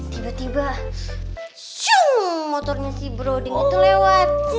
tiba tiba motornya broding itu lewat